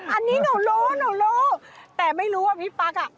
อันนี้หนูรู้หนูรู้แต่ไม่รู้ว่าพี่ปั๊กอ่ะ